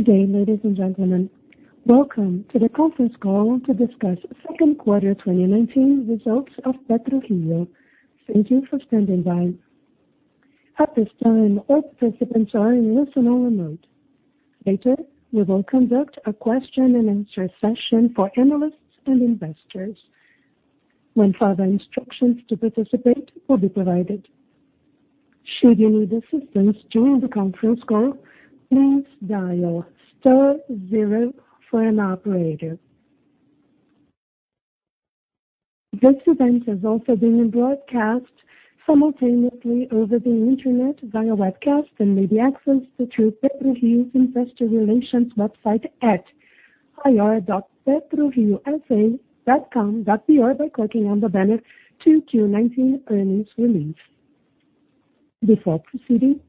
Good day, ladies and gentlemen. Welcome to the conference call to discuss second quarter 2019 results of PetroRio. Thank you for standing by. At this time, all participants are in listen-only mode. Later, we will conduct a question and answer session for analysts and investors when further instructions to participate will be provided. Should you need assistance during the conference call, please dial star zero for an operator. This event is also being broadcast simultaneously over the internet via webcast and may be accessed through PetroRio's investor relations website at ir.petroriosa.com.br by clicking on the banner 2Q19 earnings release. Before proceeding,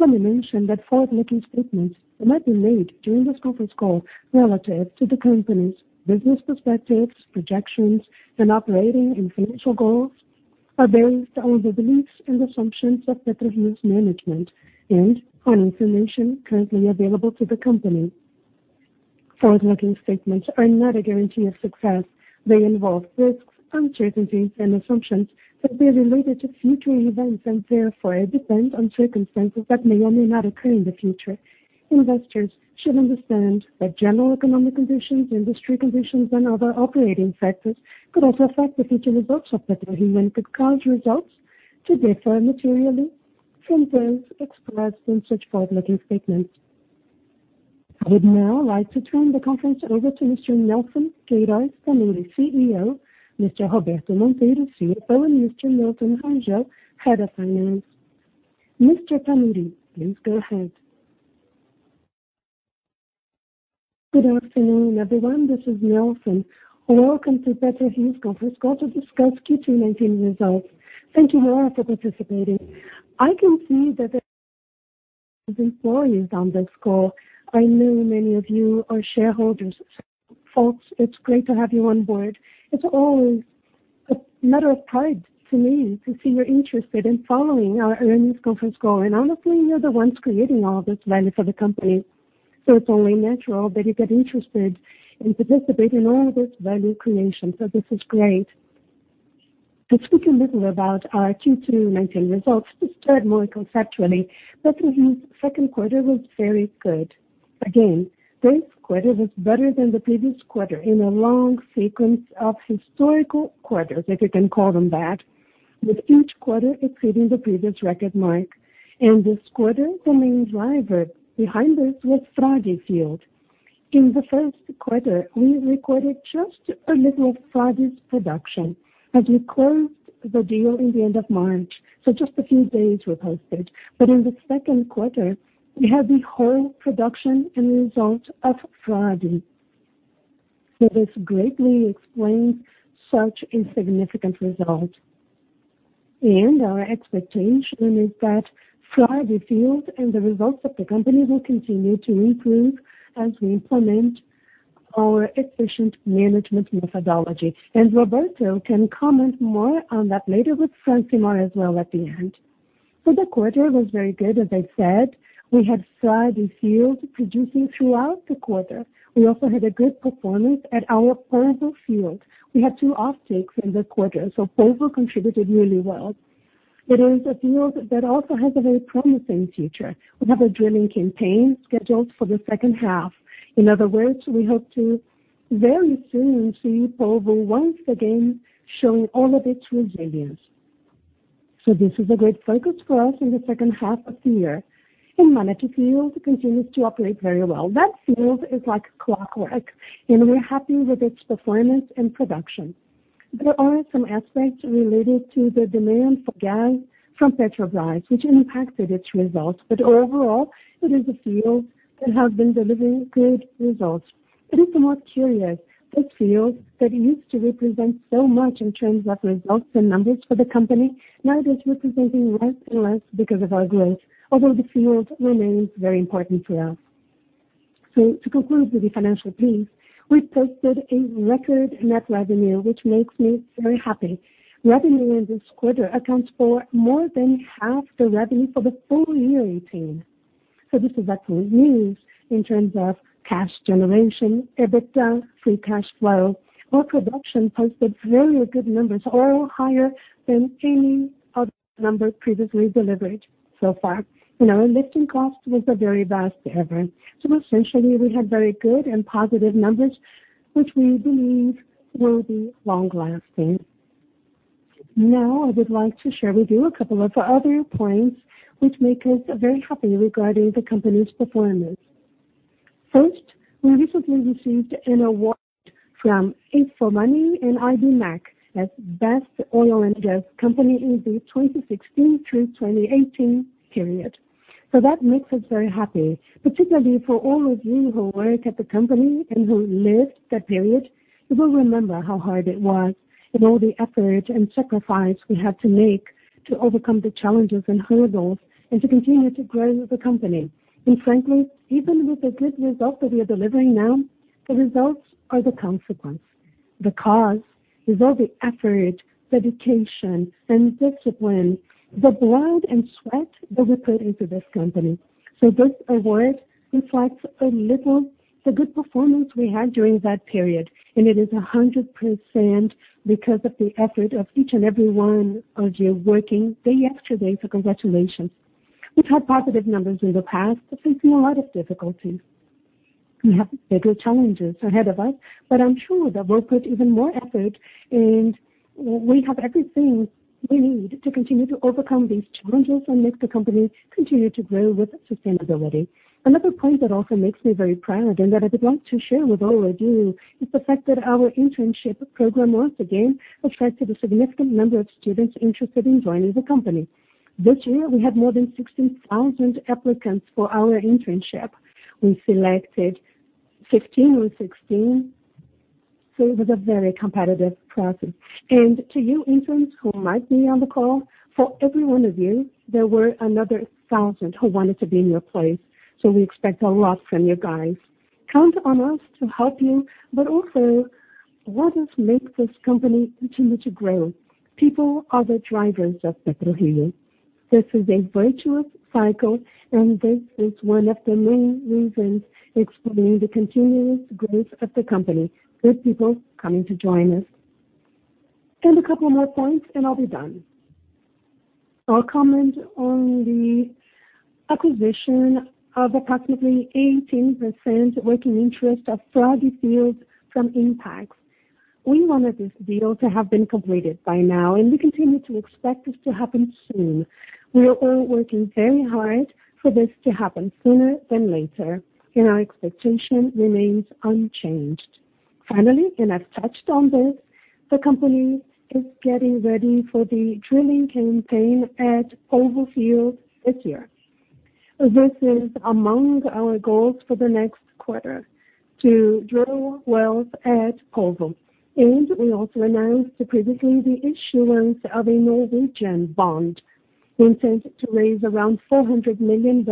let me mention that forward-looking statements that might be made during this conference call relative to the company's business perspectives, projections, and operating and financial goals are based on the beliefs and assumptions of PetroRio's management and on information currently available to the company. Forward-looking statements are not a guarantee of success. They involve risks, uncertainties, and assumptions that may be related to future events and therefore depend on circumstances that may or may not occur in the future. Investors should understand that general economic conditions, industry conditions, and other operating factors could also affect the future results of PetroRio and could cause results to differ materially from those expressed in such forward-looking statements. I would now like to turn the conference over to Mr. Nelson Queiroz, family CEO, Mr. Roberto Monteiro, CFO, and Mr. Milton Rangel, Head of Finance. Mr. Tanure, please go ahead. Good afternoon, everyone. This is Nelson. Welcome to PetroRio's conference call to discuss Q219 results. Thank you all for participating. I can see that there are employees on this call. I know many of you are shareholders. Folks, it's great to have you on board. It's always a matter of pride for me to see you're interested in following our earnings conference call. Honestly, you're the ones creating all this value for the company, so it's only natural that you get interested in participating in all this value creation. This is great. Speaking a little about our Q219 results, to start more conceptually, PetroRio's second quarter was very good. Again, this quarter was better than the previous quarter in a long sequence of historical quarters, if you can call them that, with each quarter exceeding the previous record mark, and this quarter, the main driver behind this was Frade field. In the first quarter, we recorded just a little of Frade's production as we closed the deal in the end of March. Just a few days were posted. In the second quarter, we had the whole production and result of Frade. This greatly explains such a significant result. Our expectation is that Frade Field and the results of the company will continue to improve as we implement our efficient management methodology. Roberto can comment more on that later with Francilmar as well at the end. The quarter was very good, as I said. We had Frade Field producing throughout the quarter. We also had a good performance at our Polvo Field. We had 2 off takes in this quarter, so Polvo contributed really well. It is a field that also has a very promising future. We have a drilling campaign scheduled for the second half. In other words, we hope to very soon see Polvo once again showing all of its resilience. This is a great focus for us in the second half of the year. Manati field continues to operate very well. That field is like clockwork, and we're happy with its performance and production. There are some aspects related to the demand for gas from Petrobras, which impacted its results. Overall, it is a field that has been delivering good results. It is the most curious, this field that used to represent so much in terms of results and numbers for the company, now it is representing less and less because of our growth, although the field remains very important for us. To conclude with the financial piece, we posted a record net revenue, which makes me very happy. Revenue in this quarter accounts for more than half the revenue for the full year 2018. This is excellent news in terms of cash generation, EBITDA, free cash flow. Our production posted very good numbers, all higher than any other number previously delivered so far. Our lifting cost was a very vast effort. Essentially, we had very good and positive numbers, which we believe will be long-lasting. Now, I would like to share with you a couple of other points which make us very happy regarding the company's performance. First, we recently received an award from InfoMoney and Ibmec as Best Oil & Gas Company in the 2016 through 2018 period. That makes us very happy, particularly for all of you who work at the company and who lived that period. You will remember how hard it was and all the effort and sacrifice we had to make to overcome the challenges and hurdles and to continue to grow the company. Frankly, even with the good results that we are delivering now, the results are the consequence. The cause is all the effort, dedication, and discipline, the blood and sweat that we put into this company. This award reflects a little the good performance we had during that period, and it is 100% because of the effort of each and every one of you working day after day. Congratulations. We've had positive numbers in the past, but facing a lot of difficulties. We have bigger challenges ahead of us, but I'm sure that we'll put even more effort, and we have everything we need to continue to overcome these challenges and make the company continue to grow with sustainability. Another point that also makes me very proud and that I would like to share with all of you is the fact that our internship program, once again, attracted a significant number of students interested in joining the company. This year, we had more than 16,000 applicants for our internship. We selected 15 or 16, so it was a very competitive process. To you interns who might be on the call, for every one of you, there were another 1,000 who wanted to be in your place. We expect a lot from you guys. Count on us to help you, but also, what has made this company continue to grow? People are the drivers of PetroRio. This is a virtuous cycle, and this is one of the main reasons explaining the continuous growth of the company, with people coming to join us. A couple more points and I'll be done. I'll comment on the acquisition of approximately 18% working interest of Frade field from Impact. We wanted this deal to have been completed by now, and we continue to expect this to happen soon. We are all working very hard for this to happen sooner than later, and our expectation remains unchanged. Finally, I've touched on this, the company is getting ready for the drilling campaign at Polvo Field this year. This is among our goals for the next quarter, to drill wells at Polvo. We also announced previously the issuance of a Norwegian bond, intent to raise around $400 million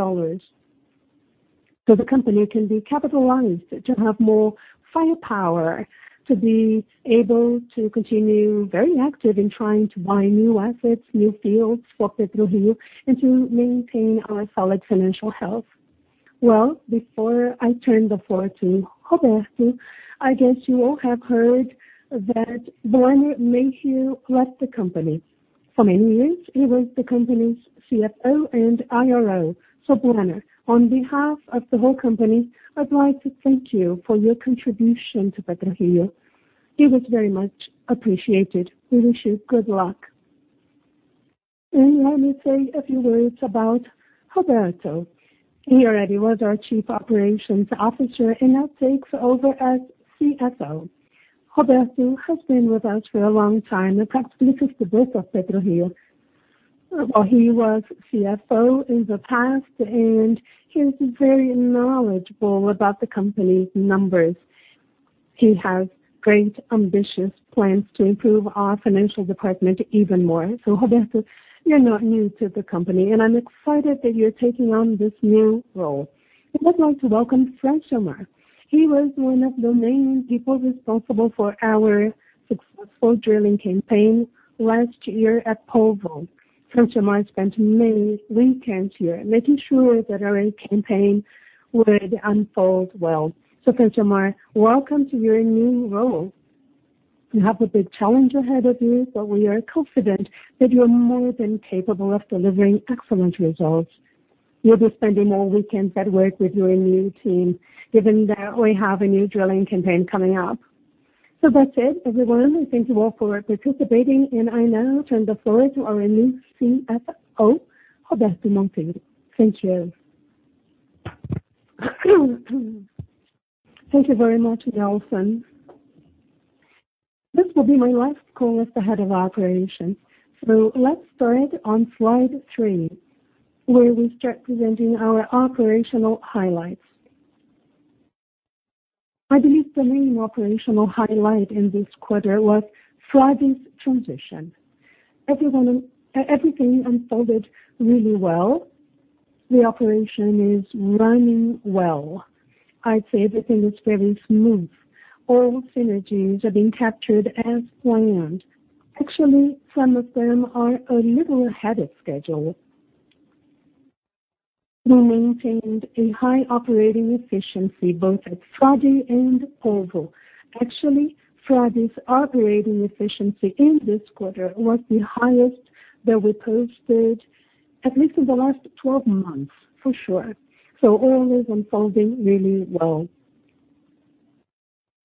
so the company can be capitalized to have more firepower, to be able to continue very active in trying to buy new assets, new fields for PetroRio, and to maintain our solid financial health. Well, before I turn the floor to Roberto, I guess you all have heard that Warner Mayhew left the company. For many years, he was the company's CFO and IRO. Warner, on behalf of the whole company, I'd like to thank you for your contribution to PetroRio. It was very much appreciated. We wish you good luck. Let me say a few words about Roberto. He already was our Chief Operations Officer and now takes over as CFO. Roberto has been with us for a long time, approximately 15 years at PetroRio. Well, he was CFO in the past, and he is very knowledgeable about the company's numbers. He has great, ambitious plans to improve our financial department even more. Roberto, you're not new to the company, and I'm excited that you're taking on this new role. I would like to welcome Francilmar. He was one of the main people responsible for our successful drilling campaign last year at Polvo. Francilmar spent many weekends here, making sure that our campaign would unfold well. Francilmar, welcome to your new role. You have a big challenge ahead of you, but we are confident that you're more than capable of delivering excellent results. You'll be spending more weekends at work with your new team, given that we have a new drilling campaign coming up. That's it, everyone. Thank you all for participating, and I now turn the floor to our new CFO, Roberto Monteiro. Thank you. Thank you very much, Nelson. This will be my last call as the head of operations. Let's start on slide three, where we start presenting our operational highlights. I believe the main operational highlight in this quarter was Frade's transition. Everything unfolded really well. The operation is running well. I'd say everything is very smooth. All synergies are being captured as planned. Actually, some of them are a little ahead of schedule. We maintained a high operating efficiency, both at Frade and Polvo. Actually, Frade's operating efficiency in this quarter was the highest that we posted, at least in the last 12 months, for sure. All is unfolding really well.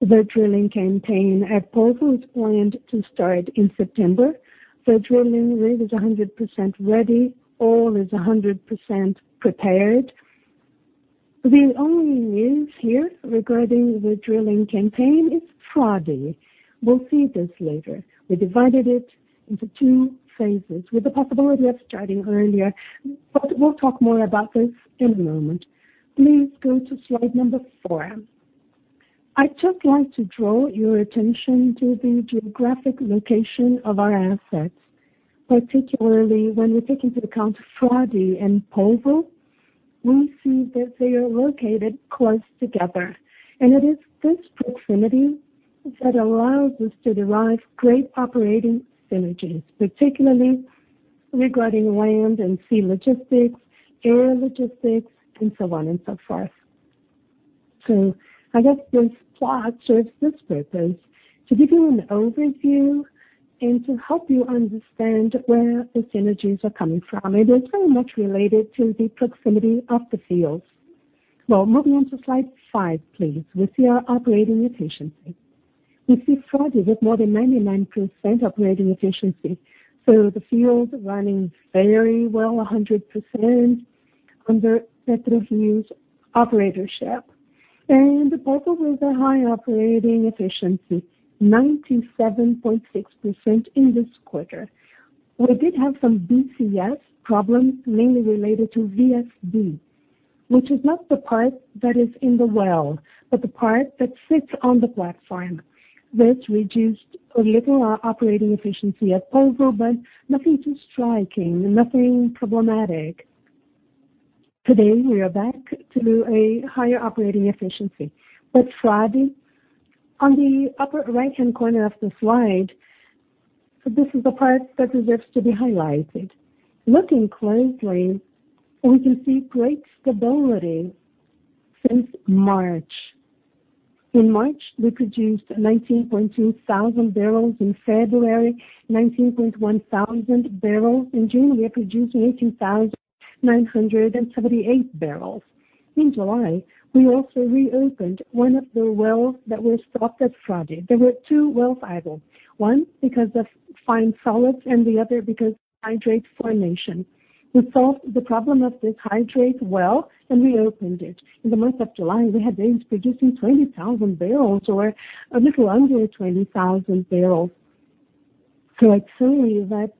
The drilling campaign at Polvo is planned to start in September. The drilling rig is 100% ready. All is 100% prepared. The only news here regarding the drilling campaign is Frade. We'll see this later. We divided it into two phases with the possibility of starting earlier, but we'll talk more about this in a moment. Please go to slide number four. I'd just like to draw your attention to the geographic location of our assets, particularly when we take into account Frade and Polvo. It is this proximity that allows us to derive great operating synergies, particularly regarding land and sea logistics, air logistics, and so on and so forth. I guess this plot serves this purpose, to give you an overview and to help you understand where the synergies are coming from. They're very much related to the proximity of the fields. Moving on to slide five, please. We see our operating efficiency. We see Frade with more than 99% operating efficiency. The field running very well, 100% under Petrobras' operatorship. The Polvo with a high operating efficiency, 97.6% in this quarter. We did have some BCS problems mainly related to VSD, which is not the part that is in the well, but the part that sits on the platform. This reduced a little our operating efficiency at Polvo, but nothing too striking, nothing problematic. Today, we are back to a higher operating efficiency. Frade, on the upper right-hand corner of the slide, this is the part that deserves to be highlighted. Looking closely, we can see great stability since March. In March, we produced 19.2 thousand barrels, in February, 19.1 thousand barrels. In June, we are producing 18,978 barrels. In July, we also reopened one of the wells that were stopped at Frade. There were two wells idle, one because of fine solids and the other because of hydrate formation. We solved the problem of this hydrate well and reopened it. In the month of July, we had days producing 20,000 barrels or a little under 20,000 barrels. I'd say that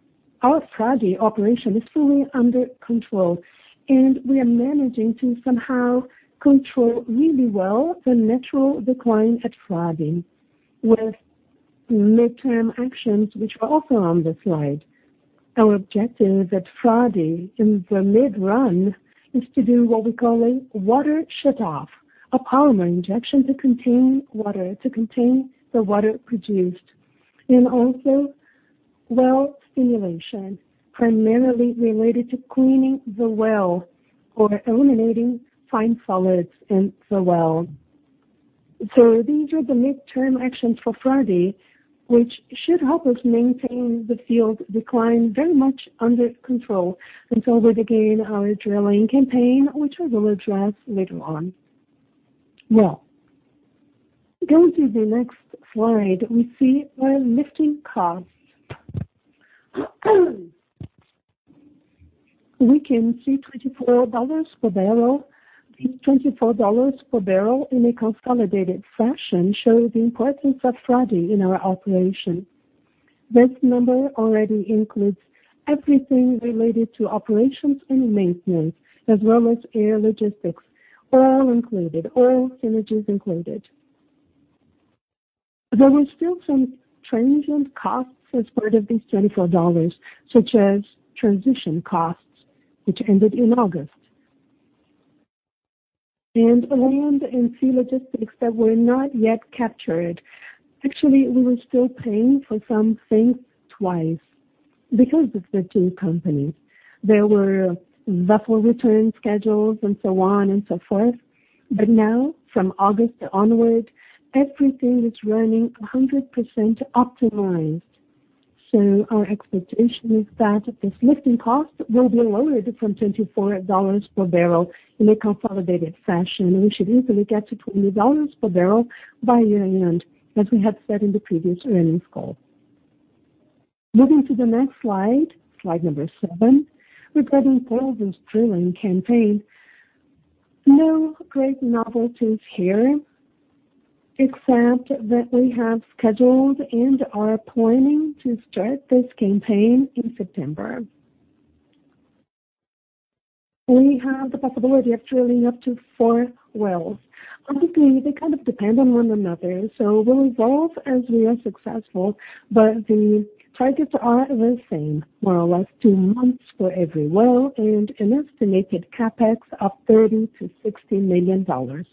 our Frade operation is fully under control, and we are managing to somehow control really well the natural decline at Frade with midterm actions, which are also on the slide. Our objective at Frade in the mid-run is to do what we call a water shutoff, a polymer injection to contain water, to contain the water produced, and also well stimulation, primarily related to cleaning the well or eliminating fine solids in the well. These are the midterm actions for Frade, which should help us maintain the field decline very much under control until we begin our drilling campaign, which we will address later on. Well, going to the next slide, we see our lifting costs. We can see $24 per barrel. These $24 per barrel in a consolidated fashion show the importance of Frade in our operation. This number already includes everything related to operations and maintenance, as well as air logistics, all included, all synergies included. There were still some transient costs as part of these $24, such as transition costs, which ended in August. Land and sea logistics that were not yet captured. Actually, we were still paying for some things twice because of the two companies. There were vessel return schedules and so on and so forth. Now, from August onward, everything is running 100% optimized. Our expectation is that this lifting cost will be lowered from $24 per barrel in a consolidated fashion, and we should easily get to $20 per barrel by year-end, as we have said in the previous earnings call. Moving to the next slide seven, regarding Polvo's drilling campaign. No great novelties here, except that we have scheduled and are planning to start this campaign in September. We have the possibility of drilling up to four wells. Honestly, they kind of depend on one another, so we'll evolve as we are successful, but the targets are the same, more or less two months for every well and an estimated CapEx of $30 million-$60 million.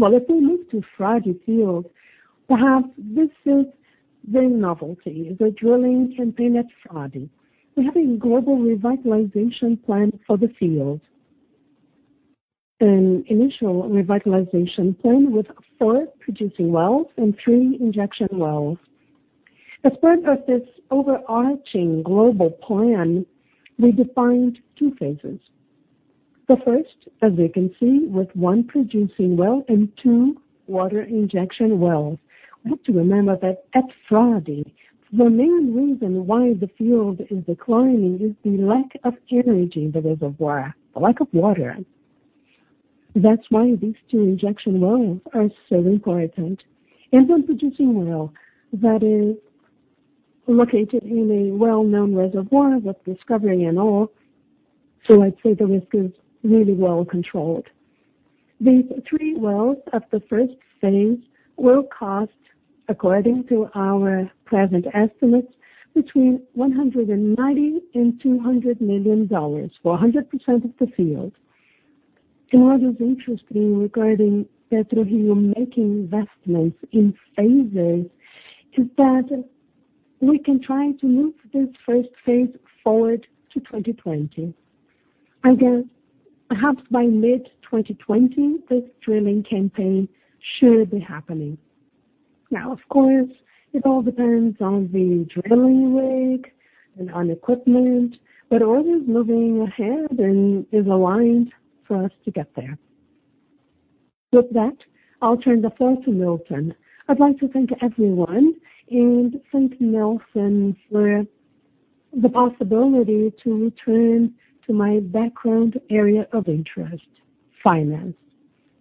Well, if we move to Frade field, perhaps this is the novelty, the drilling campaign at Frade. We have a global revitalization plan for the field. An initial revitalization plan with four producing wells and three injection wells. As part of this overarching global plan, we defined two phases. The first, as you can see, with one producing well and two water injection wells. We have to remember that at Frade, the main reason why the field is declining is the lack of energy in the reservoir, the lack of water. That's why these two injection wells are so important. One producing well that is located in a well-known reservoir with discovery and all. I'd say the risk is really well controlled. The three wells of the first phase will cost, according to our present estimates, between $190 million and $200 million for 100% of the field. What is interesting regarding PetroRio making investments in phases is that we can try to move this first phase forward to 2020. I guess perhaps by mid-2020, this drilling campaign should be happening. Of course, it all depends on the drilling rig and on equipment, but all is moving ahead and is aligned for us to get there. With that, I'll turn the floor to Nelson. I'd like to thank everyone and thank Nelson for the possibility to return to my background area of interest, finance.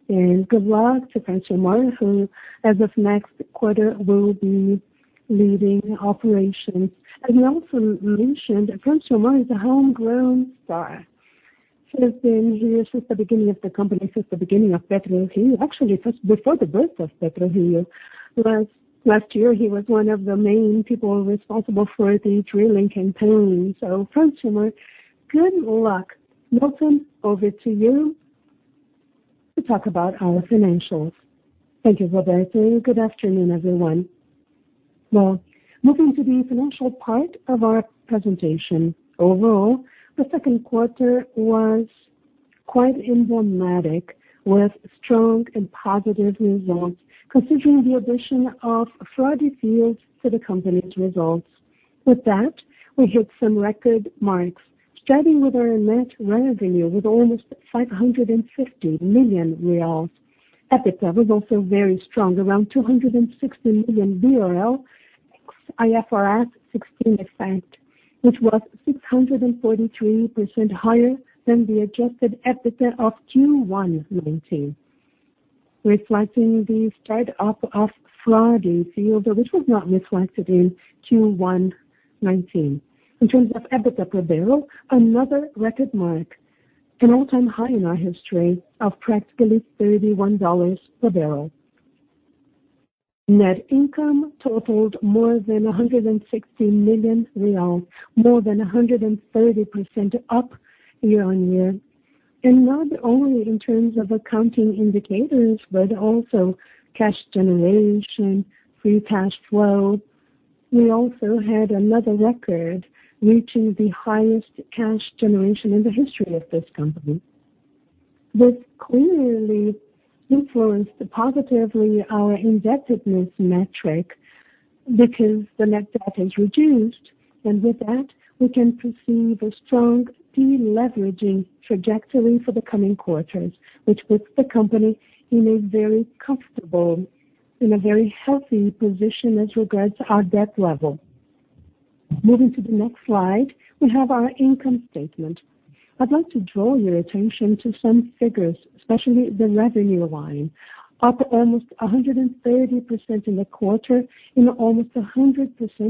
Good luck to Francilmar, who as of next quarter, will be leading operations. As Nelson mentioned, Francilmar is a homegrown star. He has been here since the beginning of the company, since the beginning of PetroRio. Actually, since before the birth of PetroRio. Last year, he was one of the main people responsible for the drilling campaign. Francilmar, good luck. Nelson, over to you to talk about our financials. Thank you, Roberto. Good afternoon, everyone. Well, moving to the financial part of our presentation. Overall, the second quarter was quite emblematic, with strong and positive results considering the addition of Frade field to the company's results. With that, we hit some record marks, starting with our net revenue with almost 550 million reais. EBITDA was also very strong, around 260 million BRL ex IFRS 16 effect, which was 643% higher than the adjusted EBITDA of Q1 2019, reflecting the start up of Frade field, which was not reflected in Q1 2019. In terms of EBITDA per barrel, another record mark, an all-time high in our history of practically BRL 31 per barrel. Net income totaled more than 160 million real, more than 130% up year-on-year. Not only in terms of accounting indicators, but also cash generation, free cash flow, we also had another record, reaching the highest cash generation in the history of this company. This clearly influenced positively our indebtedness metric because the net debt is reduced, and with that, we can perceive a strong deleveraging trajectory for the coming quarters, which puts the company in a very comfortable, in a very healthy position as regards our debt level. Moving to the next slide, we have our income statement. I'd like to draw your attention to some figures, especially the revenue line, up almost 130% in the quarter and almost 100%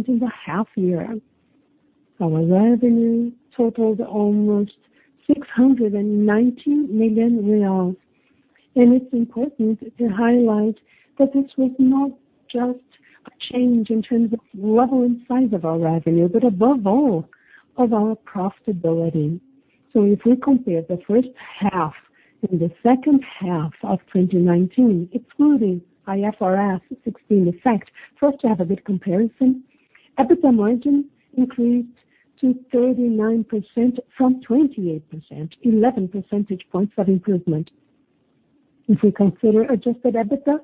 in the half year. Our revenue totaled almost 690 million real, and it's important to highlight that this was not just a change in terms of level and size of our revenue, but above all, of our profitability. If we compare the first half and the second half of 2019, excluding IFRS 16 effect, for us to have a good comparison, EBITDA margin increased to 39% from 28%, 11 percentage points of improvement. If we consider adjusted EBITDA,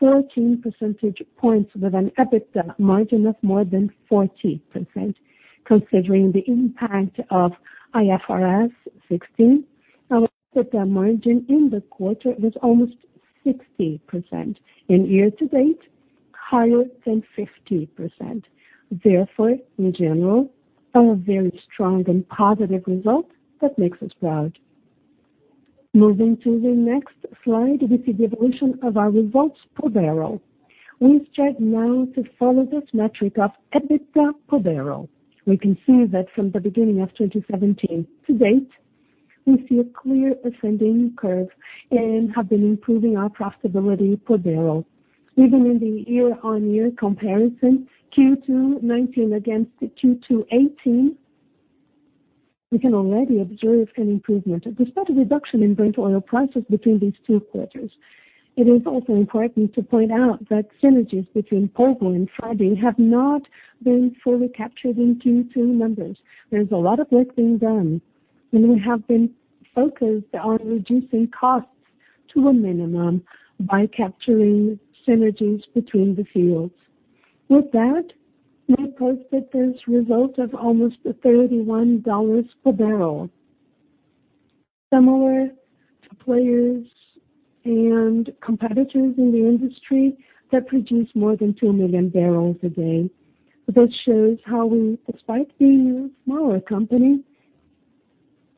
14 percentage points with an EBITDA margin of more than 40%. Considering the impact of IFRS 16, our EBITDA margin in the quarter was almost 60%, and year to date, higher than 50%. Therefore, in general, a very strong and positive result that makes us proud. Moving to the next slide, we see the evolution of our results per barrel. We start now to follow this metric of EBITDA per barrel. We can see that from the beginning of 2017 to date, we see a clear ascending curve and have been improving our profitability per barrel. Even in the year-over-year comparison, Q2 2019 against Q2 2018, we can already observe an improvement despite a reduction in Brent oil prices between these two quarters. It is also important to point out that synergies between Polvo and Frade have not been fully captured in Q2 numbers. There's a lot of work being done, and we have been focused on reducing costs to a minimum by capturing synergies between the fields. With that, we post this result of almost $31 per barrel. Similar to players and competitors in the industry that produce more than 2 million barrels a day. That shows how we, despite being a smaller company,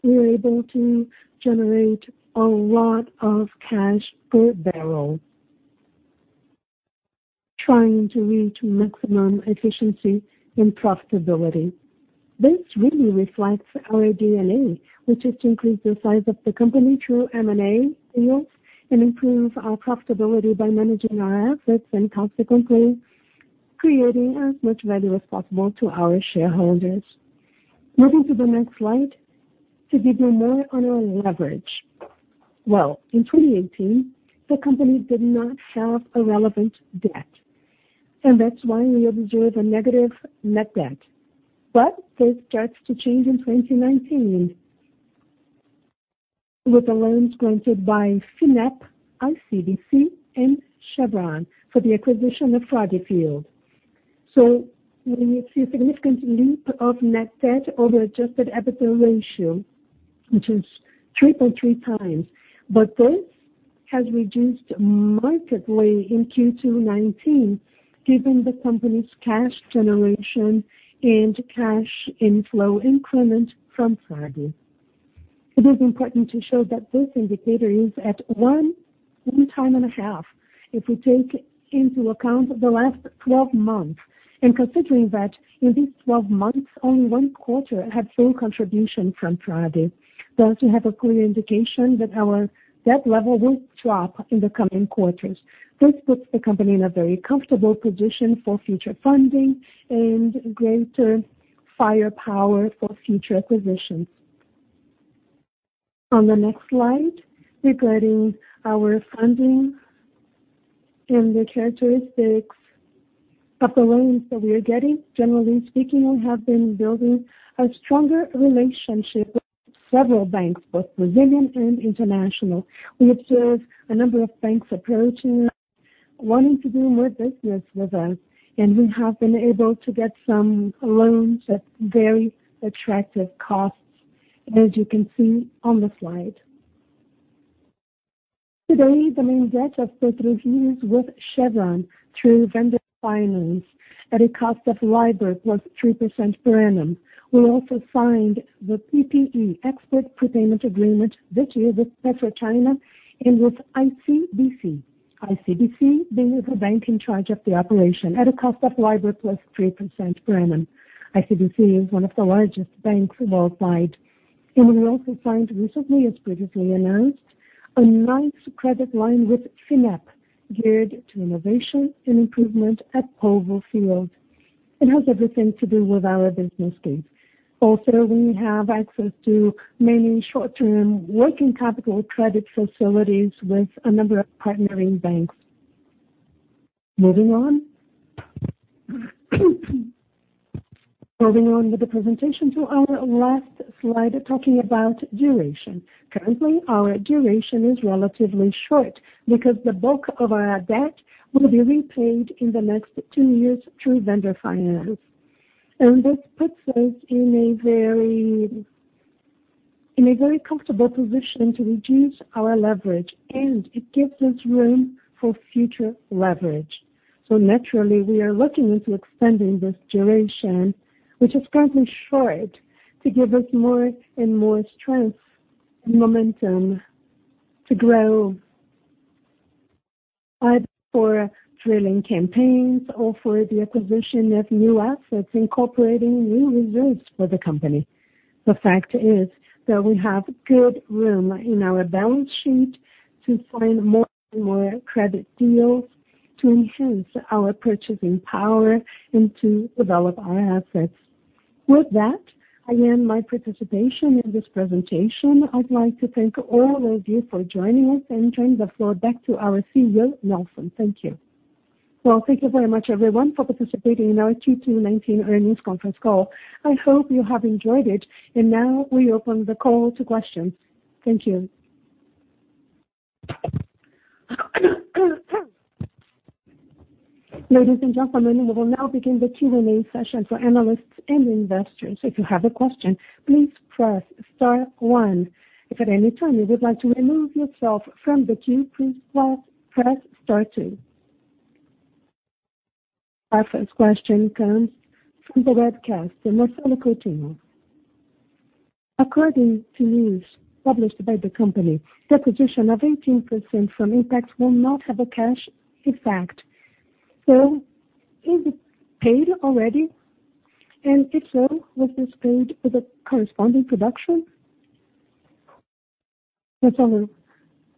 we are able to generate a lot of cash per barrel, trying to reach maximum efficiency and profitability. This really reflects our DNA, which is to increase the size of the company through M&A deals and improve our profitability by managing our assets and consequently creating as much value as possible to our shareholders. Moving to the next slide. To give you more on our leverage. Well, in 2018, the company did not have a relevant debt, and that's why we observe a negative net debt. This starts to change in 2019 with the loans granted by FINEP, ICBC, and Chevron for the acquisition of Frade field. We see a significant leap of net debt over adjusted EBITDA ratio, which is 3.3 times. This has reduced markedly in Q2 2019, given the company's cash generation and cash inflow increment from Frade. It is important to show that this indicator is at one time and a half if we take into account the last 12 months, and considering that in these 12 months, only one quarter had full contribution from Frade. We have a clear indication that our debt level will drop in the coming quarters. This puts the company in a very comfortable position for future funding and greater firepower for future acquisitions. On the next slide, regarding our funding and the characteristics of the loans that we are getting, generally speaking, we have been building a stronger relationship with several banks, both Brazilian and international. We observe a number of banks approaching us, wanting to do more business with us, and we have been able to get some loans at very attractive costs as you can see on the slide. Today, the main debt of PetroRio is with Chevron through vendor finance at a cost of LIBOR plus 3% per annum. We also signed the PPE, Export Prepayment Agreement, this year with PetroChina and with ICBC. ICBC being the bank in charge of the operation at a cost of LIBOR plus 3% per annum. ICBC is one of the largest banks worldwide. We also signed recently, as previously announced, a nice credit line with FINEP, geared to innovation and improvement at Polvo Field. It has everything to do with our business case. Also, we have access to many short-term working capital credit facilities with a number of partnering banks. Moving on with the presentation to our last slide, talking about duration. Currently, our duration is relatively short because the bulk of our debt will be repaid in the next two years through vendor finance. This puts us in a very comfortable position to reduce our leverage, and it gives us room for future leverage. Naturally, we are looking into extending this duration, which is currently short, to give us more and more strength and momentum to grow, either for drilling campaigns or for the acquisition of new assets, incorporating new reserves for the company. The fact is that we have good room in our balance sheet to sign more and more credit deals to enhance our purchasing power and to develop our assets. With that, I end my participation in this presentation. I'd like to thank all of you for joining us and turn the floor back to our CEO, Nelson. Thank you. Thank you very much, everyone, for participating in our Q2 '19 earnings conference call. I hope you have enjoyed it. Now we open the call to questions. Thank you. Ladies and gentlemen, we will now begin the Q&A session for analysts and investors. If you have a question, please press star one. If at any time you would like to remove yourself from the queue, please press star two. Our first question comes from the webcast from Marcelo Coutinho. According to news published by the company, the acquisition of 18% from Impact will not have a cash effect. Is it paid already? If so, was this paid with the corresponding production? Marcelo,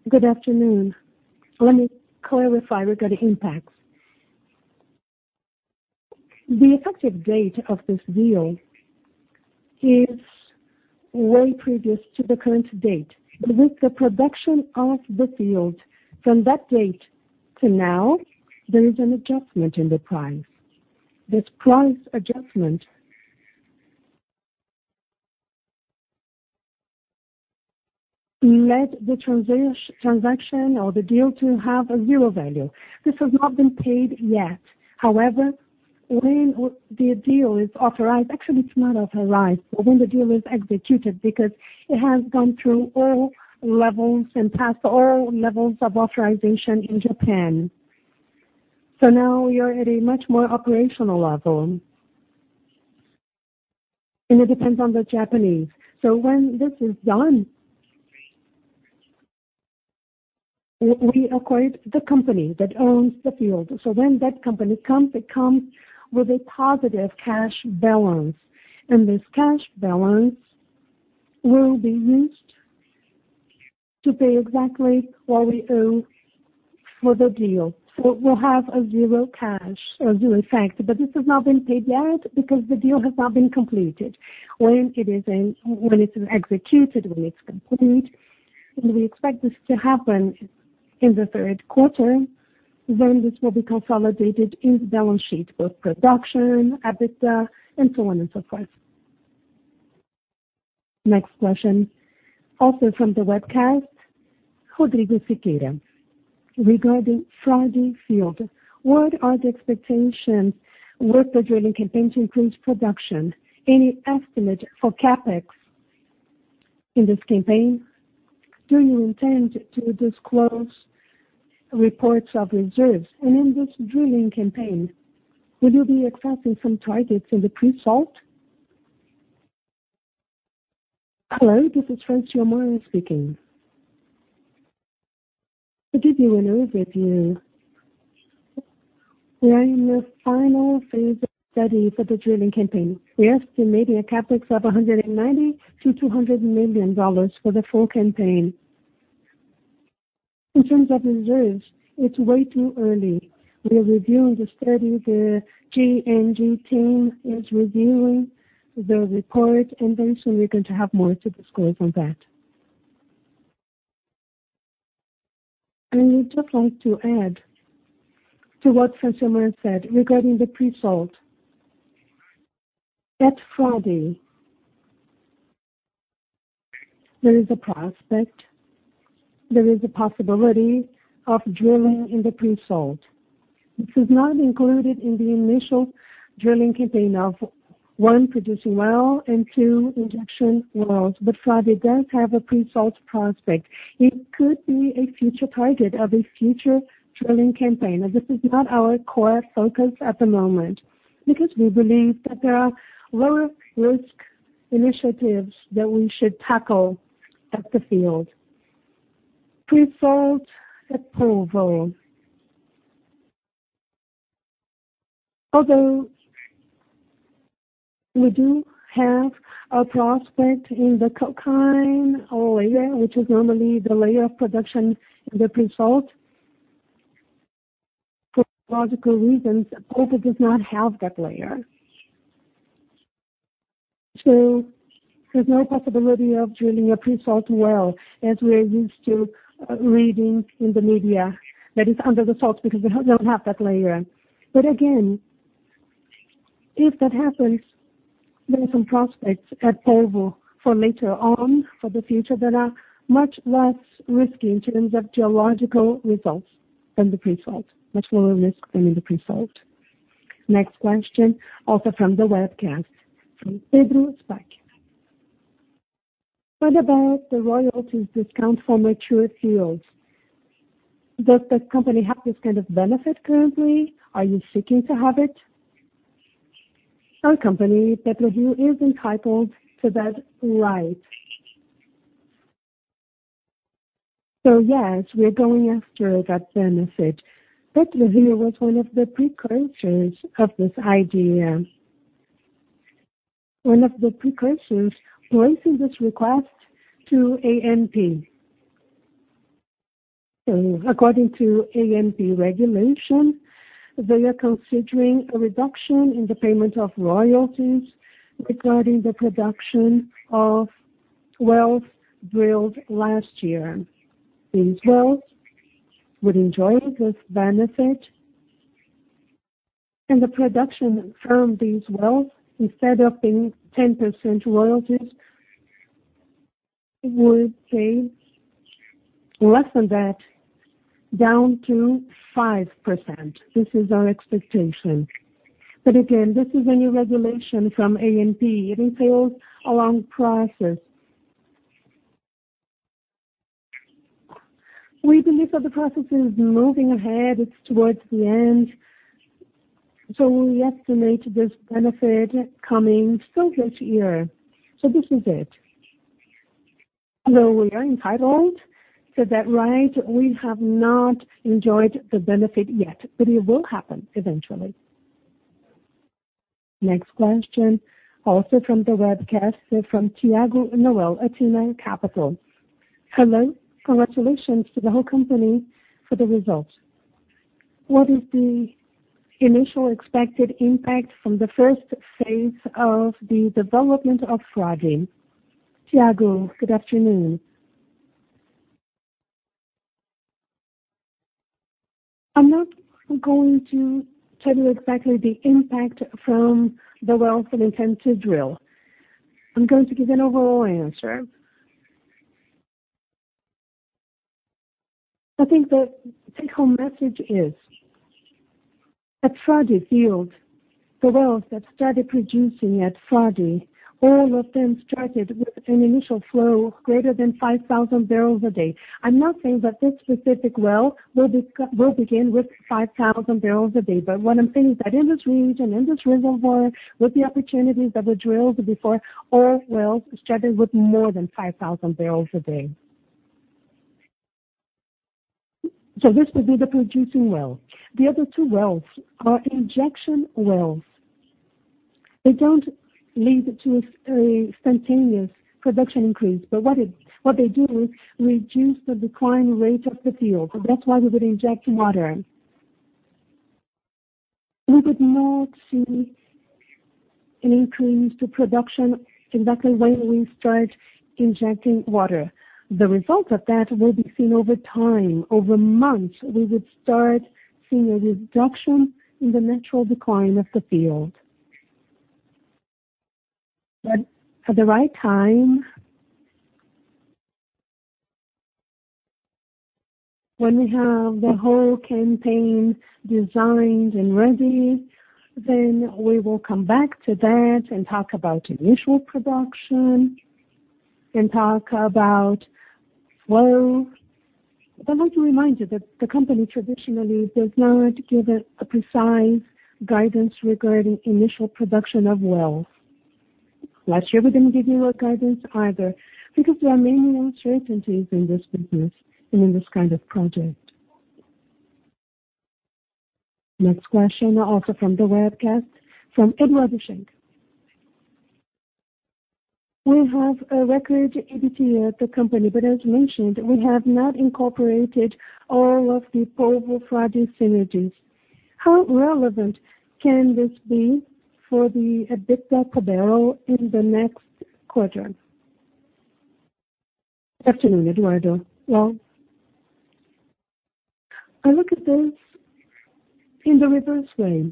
good afternoon. Let me clarify regarding Impact. The effective date of this deal is way previous to the current date. With the production of the field from that date to now, there is an adjustment in the price. This price adjustment led the transaction or the deal to have a zero value. This has not been paid yet. However, when the deal is authorized. It's not authorized, but when the deal is executed because it has gone through all levels and passed all levels of authorization in Japan. Now we are at a much more operational level. It depends on the Japanese. When this is done, we acquired the company that owns the field. When that company comes, it comes with a positive cash balance, and this cash balance will be used to pay exactly what we owe for the deal. We'll have a zero cash, a zero effect. This has not been paid yet because the deal has not been completed. When it's executed, when it's complete, and we expect this to happen in the third quarter, then this will be consolidated in the balance sheet, both production, EBITDA, and so on and so forth. Next question, also from the webcast, Rodrigo Siqueira. Regarding Frade field, what are the expectations with the drilling campaign to increase production? Any estimate for CapEx in this campaign? Do you intend to disclose reports of reserves? In this drilling campaign, will you be accepting some targets in the pre-salt? Hello, this is Francilmar speaking. Rodrigo, in overview, we are in the final phase of study for the drilling campaign. We are estimating a CapEx of $190 million-$200 million for the full campaign. In terms of reserves, it's way too early. We are reviewing the study. The G&G team is reviewing the report, and then soon we're going to have more to disclose on that. I would just like to add to what Francilmar said regarding the pre-salt. At Frade, there is a prospect, there is a possibility of drilling in the pre-salt. This is not included in the initial drilling campaign of one producing well and two injection wells. Frade does have a pre-salt prospect. It could be a future target of a future drilling campaign, but this is not our core focus at the moment, because we believe that there are lower-risk initiatives that we should tackle at the field. Pre-salt at Polvo. We do have a prospect in the Coquina layer, which is normally the layer of production in the pre-salt, for logical reasons, Polvo does not have that layer. There's no possibility of drilling a pre-salt well as we are used to reading in the media that is under the salt, because we don't have that layer. Again, if that happens, there are some prospects at Polvo for later on, for the future, that are much less risky in terms of geological results than the pre-salt. Much lower risk than in the pre-salt. Next question, also from the webcast, from Pablo Spyer. What about the royalties discount for mature fields? Does the company have this kind of benefit currently? Are you seeking to have it? Our company, PetroRio, is entitled to that right. Yes, we are going after that benefit. PetroRio was one of the precursors of this idea. One of the precursors raising this request to ANP. According to ANP regulation, they are considering a reduction in the payment of royalties regarding the production of wells drilled last year. These wells would enjoy this benefit, and the production from these wells, instead of being 10% royalties, would pay less than that, down to 5%. This is our expectation. Again, this is a new regulation from ANP. It entails a long process. We believe that the process is moving ahead. It's towards the end. We estimate this benefit coming still this year. This is it. Although we are entitled to that right, we have not enjoyed the benefit yet, but it will happen eventually. Next question, also from the webcast, from Thiago Noel at Ativa Capital. Hello. Congratulations to the whole company for the results. What is the initial expected impact from the first phase of the development of Frade? Thiago, good afternoon. I'm not going to tell you exactly the impact from the wells that we intend to drill. I'm going to give an overall answer. I think the take-home message is, at Frade field, the wells that started producing at Frade, all of them started with an initial flow greater than 5,000 barrels a day. I'm not saying that this specific well will begin with 5,000 barrels a day. What I'm saying is that in this region, in this reservoir, with the opportunities that were drilled before, all wells started with more than 5,000 barrels a day. This will be the producing well. The other two wells are injection wells. They don't lead to a spontaneous production increase. What they do is reduce the decline rate of the field. That's why we would inject water. We would not see an increase to production exactly when we start injecting water. The result of that will be seen over time. Over months, we would start seeing a reduction in the natural decline of the field. At the right time, when we have the whole campaign designed and ready, then we will come back to that and talk about initial production, and talk about flow. I want to remind you that the company traditionally does not give a precise guidance regarding initial production of wells. Last year, we didn't give you a guidance either, because there are many uncertainties in this business and in this kind of project. Next question, also from the webcast, from Eduardo Schenk. We have a record EBITDA at the company, but as mentioned, we have not incorporated all of the Polvo Frade synergies. How relevant can this be for the EBITDA per barrel in the next quarter? Afternoon, Eduardo. Well, I look at this in the reverse way.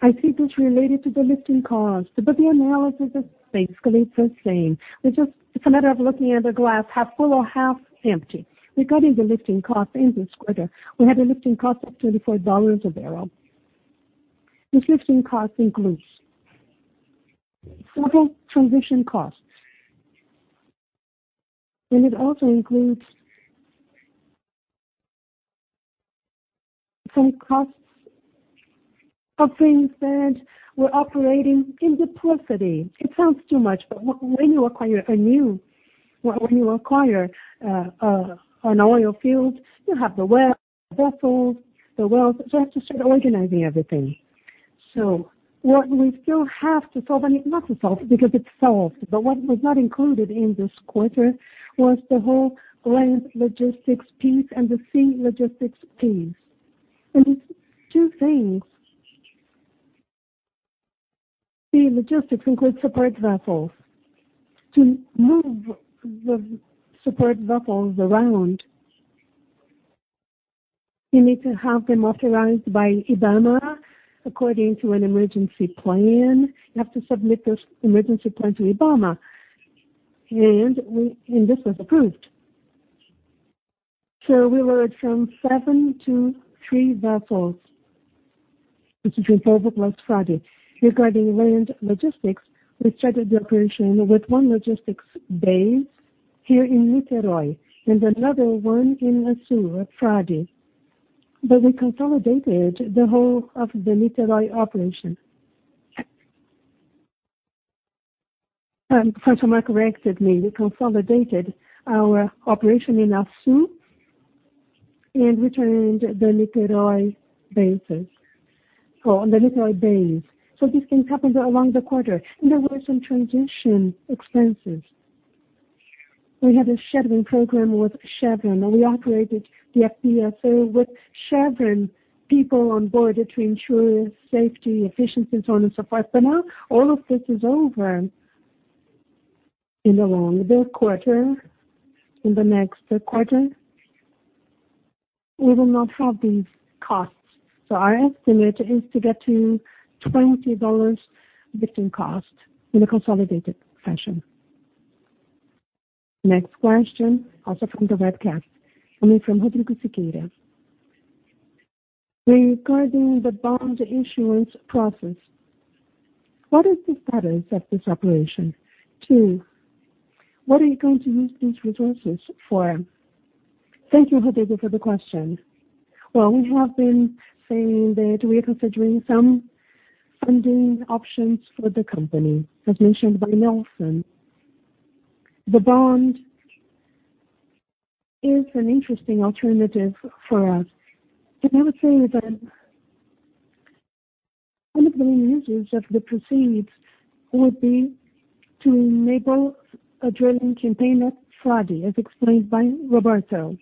I see this related to the lifting cost, the analysis is basically the same. It's a matter of looking at a glass half full or half empty. Regarding the lifting cost in this quarter, we had a lifting cost of $34 a barrel. This lifting cost includes several transition costs. It also includes some costs of, for instance, we're operating in the property. It sounds too much, when you acquire an oil field, you have the wells, the vessels. You have to start organizing everything. What we still have to solve, not to solve, because it's solved, what was not included in this quarter was the whole land logistics piece and the sea logistics piece. These two things. Sea logistics includes support vessels. To move the support vessels around, you need to have them authorized by IBAMA, according to an emergency plan. You have to submit this emergency plan to IBAMA. This was approved. We went from seven to three vessels, which is in Polvo plus Frade. Regarding land logistics, we started the operation with one logistics base here in Niterói and another one in Açu at Frade. We consolidated the whole of the Niterói operation. First of all, correct me. We consolidated our operation in Açu and returned the Niterói base. These things happened along the quarter, and there were some transition expenses. We had a sharing program with Chevron, and we operated the FPSO with Chevron people on board to ensure safety, efficiency, and so on and so forth. Now all of this is over in the quarter. In the next quarter, we will not have these costs. Our estimate is to get to $20 lifting cost in a consolidated fashion. Next question, also from the webcast, coming from Rodrigo Siqueira. Regarding the bond issuance process, what is the status of this operation? Two, what are you going to use these resources for? Thank you, Rodrigo, for the question. Well, we have been saying that we are considering some funding options for the company, as mentioned by Nelson. I would say that one of the main uses of the proceeds would be to enable a drilling campaign at Frade, as explained by Roberto.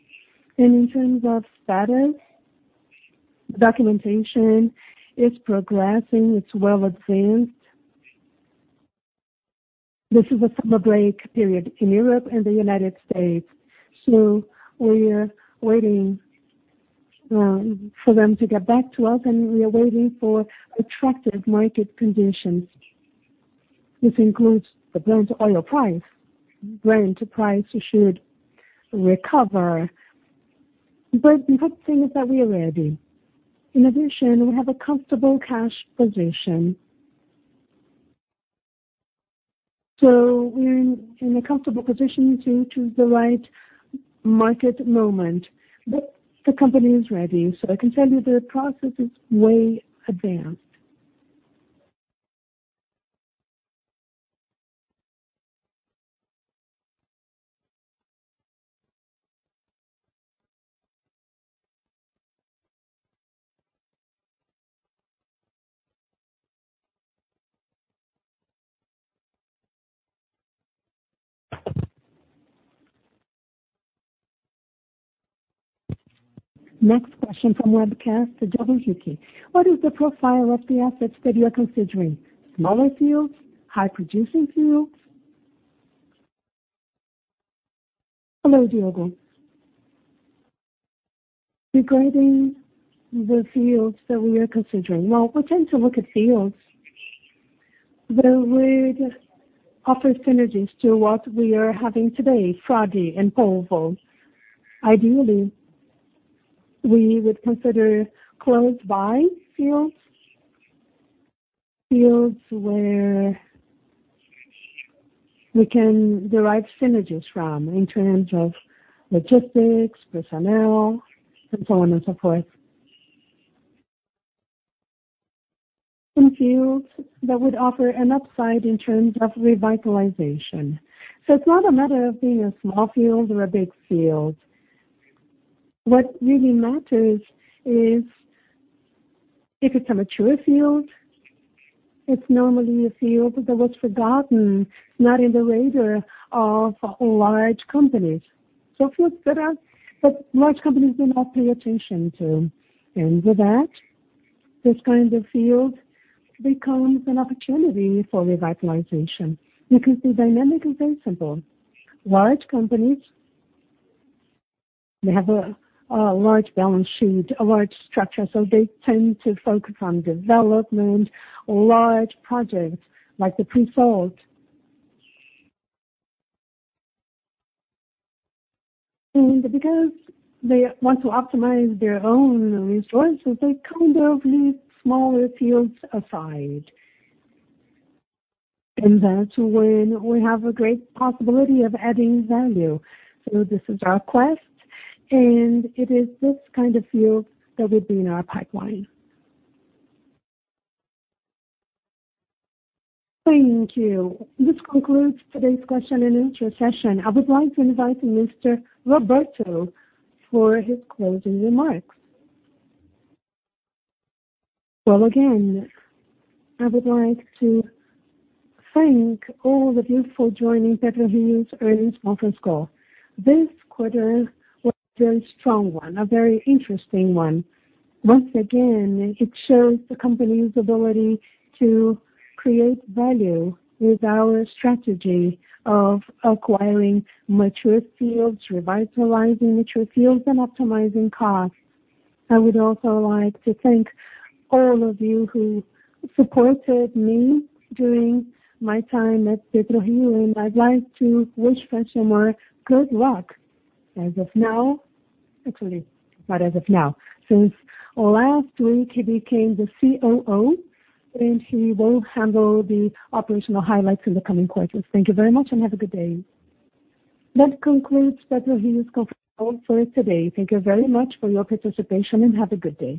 In terms of status, the documentation is progressing. It's well advanced. This is a summer break period in Europe and the United States. We are waiting for them to get back to us, and we are waiting for attractive market conditions. This includes the Brent oil price. Brent price should recover. The good thing is that we are ready. In addition, we have a comfortable cash position. We are in a comfortable position to choose the right market moment. The company is ready. I can tell you the process is way advanced. Next question from webcast to Diogo Queiroz. What is the profile of the assets that you are considering? Smaller fields? High producing fields? Hello, Diogo. Regarding the fields that we are considering. We tend to look at fields that would offer synergies to what we are having today, Frade and Polvo. Ideally, we would consider close by fields where we can derive synergies from in terms of logistics, personnel, and so on and so forth. Fields that would offer an upside in terms of revitalization. It's not a matter of being a small field or a big field. What really matters is if it's a mature field, it's normally a field that was forgotten, not in the radar of large companies. Fields that large companies do not pay attention to. With that, this kind of field becomes an opportunity for revitalization. You can see dynamically very simple. Large companies, they have a large balance sheet, a large structure. They tend to focus on development, large projects like the pre-salt. Because they want to optimize their own resources, they kind of leave smaller fields aside. That's when we have a great possibility of adding value. This is our quest, and it is this kind of field that would be in our pipeline. Thank you. This concludes today's question and answer session. I would like to invite Mr. Roberto for his closing remarks. Well, again, I would like to thank all of you for joining PetroRio's earnings conference call. This quarter was a very strong one, a very interesting one. Once again, it shows the company's ability to create value with our strategy of acquiring mature fields, revitalizing mature fields, and optimizing costs. I would also like to thank all of you who supported me during my time at PetroRio, and I'd like to wish Francilmar good luck. Actually, not as of now. Since last week, he became the COO, and he will handle the operational highlights in the coming quarters. Thank you very much and have a good day. That concludes PetroRio's conference call for today. Thank you very much for your participation and have a good day.